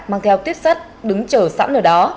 mang theo tiếp sát đứng chở sẵn ở đó